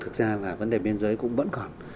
thực ra là vấn đề biên giới cũng vẫn còn